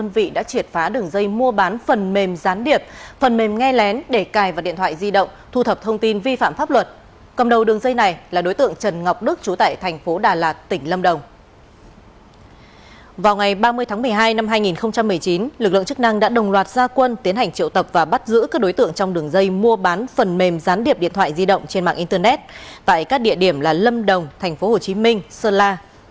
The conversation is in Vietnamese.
vào ngày ba mươi tháng một mươi hai năm hai nghìn một mươi chín lực lượng chức năng đã đồng loạt gia quân tiến hành triệu tập và bắt giữ các đối tượng trong đường dây mua bán phần mềm gián điệp điện thoại di động trên mạng internet tại các địa điểm là lâm đồng tp hcm sơn la